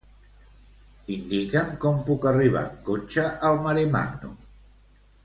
Indica'm com puc arribar en cotxe al Maremàgnum.